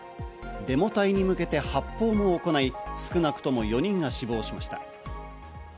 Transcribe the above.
デモ隊に向けて発砲も行い、少なくとも４人が死亡しました。